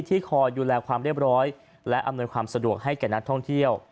คอยดูแลความเรียบร้อยและอำนวยความสะดวกให้แก่นักท่องเที่ยว